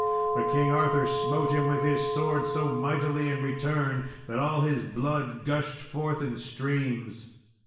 But King Arthur smote him with his sword so mightily in return, that all his blood gushed forth in streams.